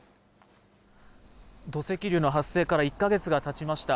土石流の発生から１か月がたちました。